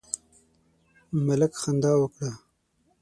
ملک خندا وکړه.